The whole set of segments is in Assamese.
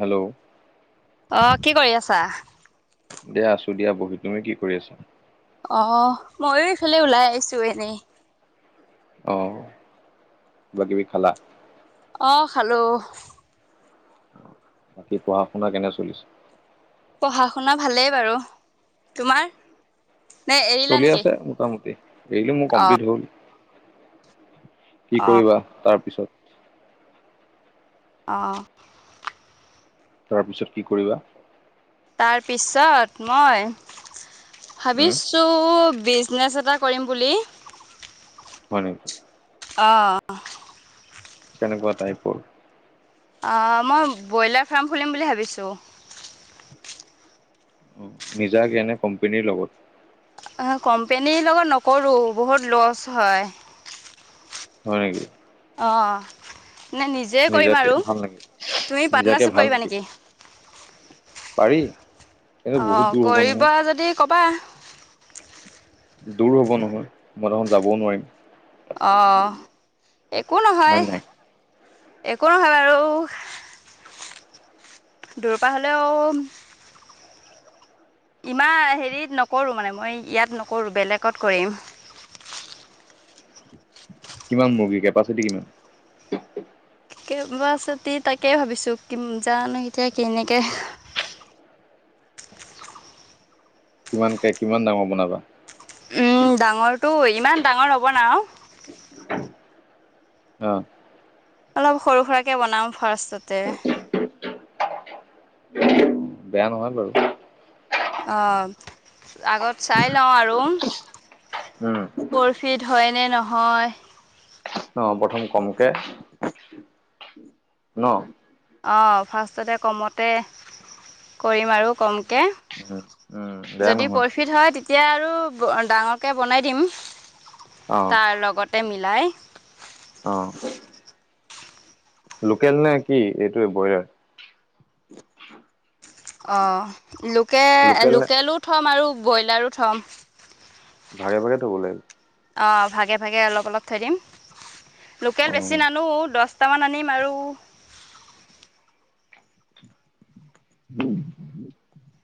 হেল্ল' অ কি কৰি আছা দিয়া আছো দিয়া বহি তুমি কি কৰি আছা অ ময়ো ইফালে ওলাই আহিছোঁ এনেই অ বাকী কিবাকিবি খালা অ খালো বাকী পঢ়া শুনা কেনে চলিছ পঢ়া শুনা ভালেই বাৰু, তোমাৰ নে এৰিলা চলি নেকি আছে মোটামুটি ডিগ্ৰী মোৰ অ কমপ্লিট হ'ল। কি অ কৰিবা তাৰ পিছত অ অ তাৰপিছত কি কৰিবা তাৰপিছত মই ভাবিছ উম ছো বিজনেছ এটা কৰিম বুলি হয় নেকি অ কেনেকুৱা টাইপৰ আহ মই ব্ৰইলাৰ ফাৰ্ম খুলিম বুলি ভাবিছোঁ উম নিজাকে এনে কোম্পানীৰ লগত অ কোম্পেনীৰ লগত নকৰো বহুত লচ হয় হয় নেকি অ নে নিজেই কৰিম নিজাকে আৰু ভাল নেকি তুমি নিজাকে পাৰ্টনাৰশ্বিপ ভাল কৰিবা নেকি পাৰি কিন্তু অ বহুত দূৰ হ'ব নহয় কৰিবা যদি কবা দূৰ হ'ব নহয় মই দেখোন যাবও নোৱাৰিম অ একো হয় নহয় নে নাই একো নহয় বাৰু দূৰ পা হলেও ইমান হেৰিত নকৰোঁ মানে মই ইয়াত নকৰোঁ বেলেগত কৰিম কিমান মুৰ্গীৰ কেপাচিটি কিমান কেপাচিটি তাকে ভাবিছো কিম জানো এতিয়া কেনেকে কিমানকে কিমান ডাঙৰ বনাবা উম ডাঙৰটো ইমান ডাঙৰ নবনাও অ অলপ সৰু সুৰাকে বনাওঁ ফাৰ্ষ্টতে বেয়া নহয় বাৰু। অ' আগত চাই লওঁ আৰু। উম। পৰফিট হয়নে নহয়। অ' প্ৰথম কমকে। ন'? অ' ফাৰ্ষ্টতে কমতে কৰিম আৰু কমকে। উম উম বেয়া যদি নহয় প্ৰফিট হয় তেতিয়া আৰু ডাঙৰকে বনাই দিম। অ তাৰ লগতে মিলাই। অ'। লোকেল নে কি এইটোৱে ব্ৰইলাৰ? অ' লোকেল লোকেলো থ'ম আৰু ব্ৰইলাৰো থ'ম। ভাগে ভাগে থ'ব লাগিব। অ' ভাগে ভাগে অলপ অলপ থৈ দিম। লোকেল অ বেছি নানো দছ টামান আনিম আৰু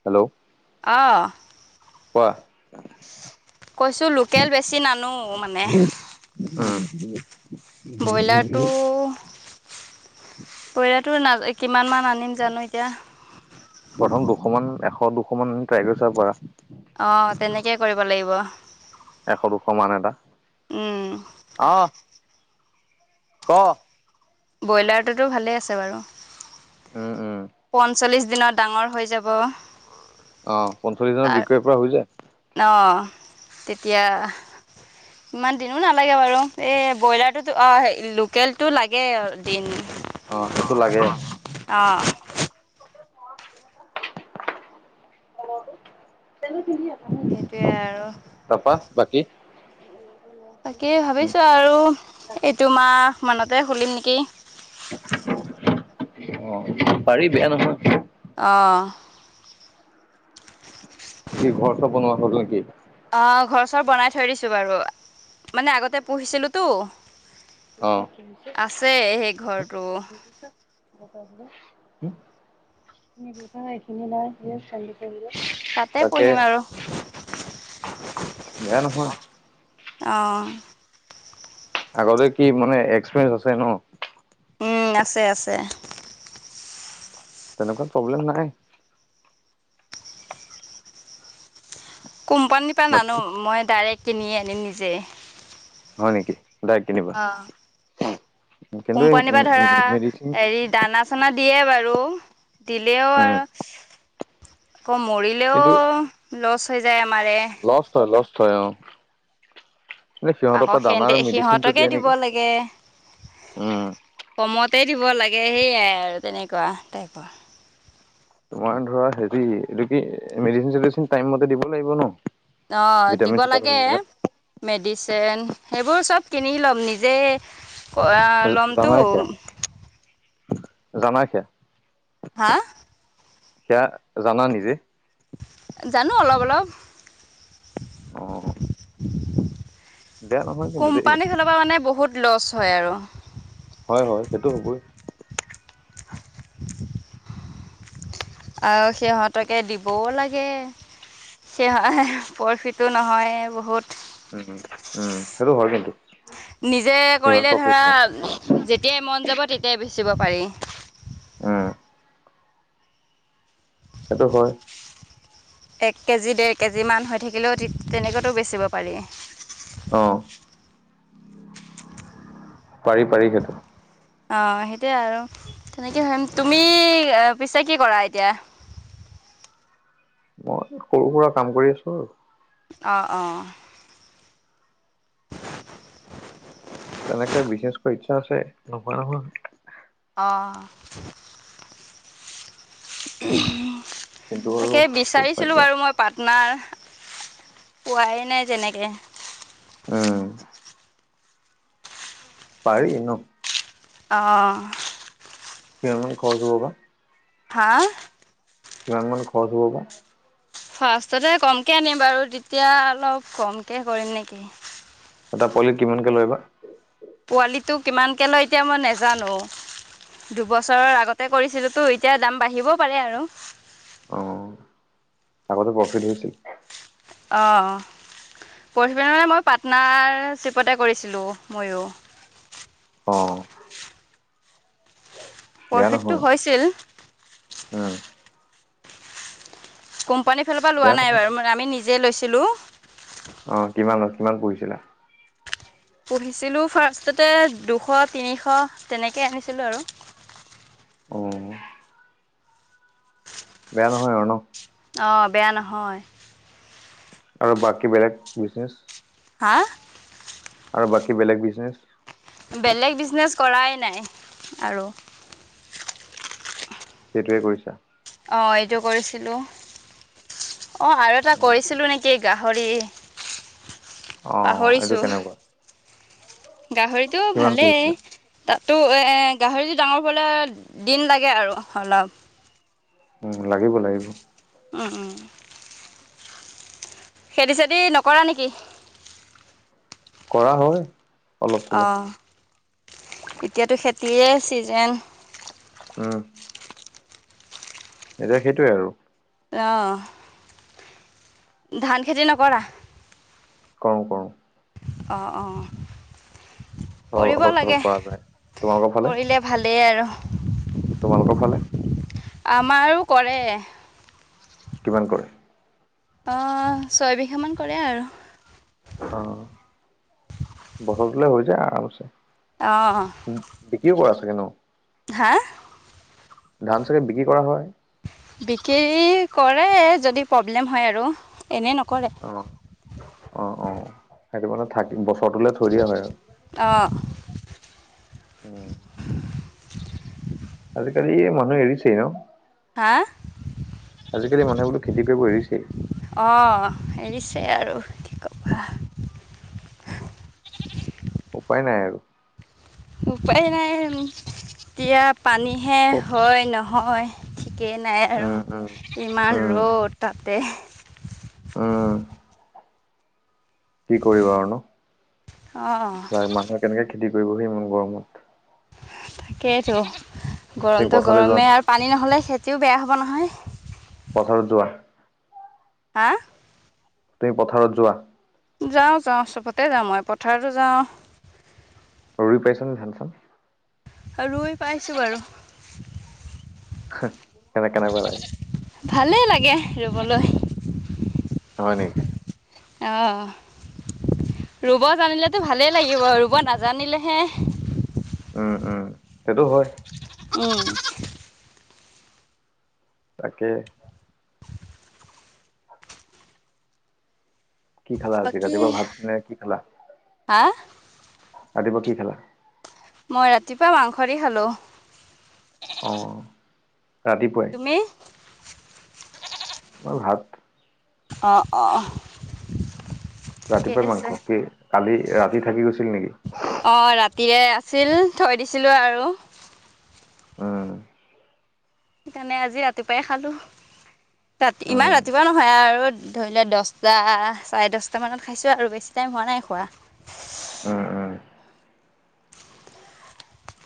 হেল্ল'। অ'। কোৱা। কৈছোঁ লোকেল বেছি নানো মানে। উম। পৰিলাতো না কিমান মান আনিম জানো এতিয়া। প্ৰথম দুশ মান, এশ দুশ মান ট্ৰাই কৰি চাব পাৰা। অ' তেনেকে কৰিব লাগিব। এশ দুশ মান এটা, উম, অ'। ক। ব্ৰইলাৰটোতো ভালে আছে বাৰু। উম উম পঞ্চল্লিশ দিনত ডাঙৰ হৈ যাব। অ' পঞ্চল্লিশ দিনৰ বিক্ৰীৰ পৰা হৈ যায়। অ' তেতিয়া ইমান দিনো নালাগে বাৰু, এই ব্ৰইলাৰটোতো অ' লোকেলটো লাগে দিন। অ' সেইটো লাগে। অ'। [unintelligible] সেইটোৱে আৰু। তাৰপা বাকি? বাকী ভাবিছোঁ আৰু এইটো মাহ মানতে খুলিম নেকি। অ' পাৰি বেয়া নহয়। অ'। কি ঘৰ চব বনোৱা হ'ল নেকি? অ' ঘৰ চৰ বনাই থৈ দিছোঁ বাৰু, মানে আগতে পুহিছিলোঁতো। অ আছে সেই ঘৰটো। [unintelligible] তাতে তাকে, পুহিম আৰু বেয়া নহয়। অ'। আগতে কি মানে এক্সপিৰিয়েঞ্চ আছে ন'? উম, আছে আছে। তেনেকুৱাত প্ৰব্লেম নাই। কোম্পানীৰ পৰা নানো, বাকী মই ডাইৰেক্ট কিনি আনিম নিজে। হয় নেকি? ডাইৰেক্ট কিনিবা অ' কিন্তু এই কোম্পানীপা ধৰা মেডিচিন হেৰী দানা চানা দিয়ে বাৰু! দিলেও উম। আৰু আকৌ মৰিলেও কিন্তু লচ হৈ যায় আমাৰে। লচ হয়, লষ্ট হয় অ'। এ সিহঁতৰ আকৌ পৰা দানা সেহতে আৰু মেডিচিনটো সিহঁতকে দিয়ে দিব নেকি? লাগে উম। কমতে দিব লাগে, সেইয়াই আৰু তেনেকুৱা টাইপৰ। তোমাৰ ধৰা হেৰি এইটো কি মেডিচিন-চেডিচিন টাইম মতে দিব লাগিব ন? অ' দিব ভিটামিন চিটামিন লাগে। বিলাক মেডিচেন সেইবোৰ চব কিনি ল'ম নিজেই। [unintelligible] হা'? সেয়া জানা নিজে। জানো অলপ অলপ। অ বেয়া নহয় কিন্তু দেই কোম্পানী ফালৰ পৰা মানে বহুত লচ হয় আৰু। হয় হয়, সেইটো হ'বই। [inaudible] আৰু সিহঁতকে দি ব লাগে হয় প্ৰফিটো নহয় বহুত। উম উম, সেইটো হয় কিন্তু। নিজে ইমান কৰিলে ধৰা প্ৰফিট নাই যেতিয়াই মন যাব তেতিয়াই বেচিব পাৰি। উম। সেইটো হয়। এক কেজি-ডেৰ কেজিমান হৈ থাকিলেও তেনেকুৱাতো বেচিব পাৰি। অ'। পাৰি পাৰি সেইটো। অ' সেইটোয়ে আৰু তেনেকে হম। তুমি পিছে কি কৰা এতিয়া? মই সৰু-সুৰা কাম কৰি আছোঁ। অঁ অঁ। তেনেকে বিশেষকৈ ইচ্ছা আছে, নোহোৱা নহয়। অঁ। কিন্তু আৰু তাকে ক'ত বিচাৰিছিলো পাৰিবা বাৰু মই পাৰ্টনাৰ পোৱাই নাই তেনেকে। অ'। পাৰি ন। অঁ। কিমান মান খৰচ হব বা? হা'? কিমান মান খৰচ হ'ব বা? ফাৰ্ষ্টতে কমকৈ আনিম বাৰু! তেতিয়া অলপ কমকে কৰিম নেকি। এটা পোৱলীত কিমানকে লয় বা? পোৱালিটো কিমানকে লয় এতিয়া মই নেজানো। দুবছৰৰ আগতে কৰিছিলোতো এতিয়া দাম বাঢ়িবও পাৰে আৰু। অঁ, আগতে প্ৰফিট হৈছিল। অঁ। পৰুখি বা মানে মই পাটনাৰ চ্ৰিপতে কৰিছিলোঁ ময়ো। অঁ। বেয়া প্ৰফিটটো নহয়, হৈছিল অঁ। কোম্পানীৰ ফালৰ পৰা লোৱা বেয়া নাই নহয় বাৰু আমি নিজেই লৈছিলোঁ। অঁ, কিমানত কিমান পঢ়িছিলা? পুহিছিলোঁ ফাৰ্ষ্টতে দুশ, তিনিশ তেনেকে আনিছিলোঁ আৰু। অঁ। বেয়া নহয় আৰু ন। অঁ বেয়া নহয়। আৰু বাকী বেলেগ বিজনেচ? হা? আৰু বাকী বেলেগ বিজনেছ? বেলেগ বিজনেছ কৰাই নাই আৰু। সেইটোৱে কৰিছা। অঁ এইটো কৰিছিলো, অঁ আৰু এটা কৰিছিলো নে কি গাহৰি অ এইটো পাহৰিছোঁ। কেনেকুৱা গাহৰিটো কিমান পুহিছিলা ভালেই। তাতো এ গাহৰিটো ডাঙৰ হবলে দিন লাগে আৰু অলপ। উম লাগিব লাগিব। উম উম। খেতি চেতি নকৰা নেকি? কৰা হয়। অলপ চলপ অঁ, এতিয়াতো খেতিয়ে ছিজেন। উম। এতিয়া সেইটোৱে আৰু। অঁহ। ধান খেতি নকৰা? কৰো কৰো। অঁ অঁ, অ কৰিব অলপ চলপ লাগে, কৰা যায় তোমালোকৰ ফালে কৰিলে ভালেই আৰু। তোমালোকৰ ফালে? আমাৰো কৰে। কিমান কৰে? অঁ ছয় বিঘামান কৰে আৰু। অঁ বছৰটোলে হৈ যায় আৰামচে। অঁ। বিক্ৰীও কৰা চাগে ন? হা? ধান চাগে বিক্ৰী কৰা হয়? বিক্ৰী কৰে যদি প্ৰব্লেম হয় আৰু, এনেই নকৰে। অ অঁ অঁ, সেইটো মানে থাকি বছৰটোলে থৈ দিয়া হয় আৰু। অ'। উম। আজিকালি মানুহে এৰিছেই ন? হা? আজি কালি মানুহে বোলো খেতি কৰিব এৰিছেই। অ', এৰিছেই আৰু। ক'বা উপায় নাই আৰু। উপায় নাই আৰু। এতিয়া পানীহে হয় নহয় ঠিকেই নাই আৰু, উম উম ইমান উম ৰ'দ তাতে। উম কি কৰিবা আৰু ন। অ'। বা মানুহে কেনেকে খেতি কৰিব হে ইমান গৰমত। তাকেতো, তুমি গৰমটো পথাৰলে যোৱা গৰমে নাই আৰু পানী ন'হলে খেতিও বেয়া হ'ব নহয়। পথাৰত যোৱা। আ? তুমি পথাৰত যোৱা? যাওঁ, যাওঁ চবতে যাওঁ মই পথাৰতো যাওঁ ৰুই পাইছনে ধান চান? ৰুই পাইছোঁ বাৰু। কেনে কেনেকুৱে লাগে? ভালে লাগে ৰুবলৈ। হয় নেকি? অ', ৰুব জানিলেতো ভালেই লাগিব ৰুব নাজানিলেহে। উম, উম, সেইটো হয়। উম। তাকে কি খেলা আজি ৰাতিপুৱা ভাত নে কি খেলা? আ? ৰাতিপুৱা কি খালা? মই ৰাতিপুৱা মাংস দি খালোঁ। অ', ৰাতিপুৱাই? মি মই ভাত। অ', অ'। ৰাতিপুৱাই মাংস কি কালি ৰাতি থাকি গৈছিল নেকি? অ', ৰাতিয়ে আছিল থৈ দিছিলোঁ আৰু। উম সেইকাৰণে আজি ৰাতিপুৱাই খালোঁ। ৰাতি ইমান উম ৰাতিপুৱা নহয় আৰু ধৰি লোৱা দশটা চাৰে দশটামানত খাইছোঁ আৰু বেছি টাইম হোৱা নাই খোৱা। [unintelligible] উম উম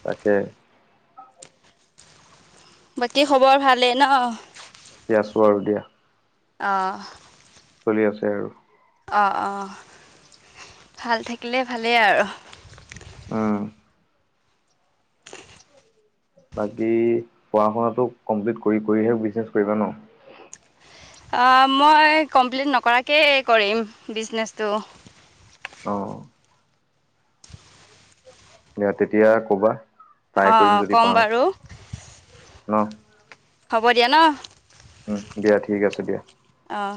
তাকে। বাকী খবৰ ভালেই ন? এ আছোঁ আৰু দিয়া। অ'। চলি আছে আৰু। অ', অ'। ভাল থাকিলে ভালেই আৰু। উম। বাকী পঢ়া শুনাতটো কমপ্লিট কৰি কৰিহে বিজনেছ কৰিবা ন'। অ' মই কমপ্লিট নকৰাকেই কৰিম বিজনেচটো। অ'। দিয়া তেতিয়া কবা ট্ৰাই কৰিম অঁ যদি ক'ম পাৰো বাৰু ন'। হ'ব দিয়া ন'। হয়, দিয়া ঠিক আছে দিয়া। অঁ।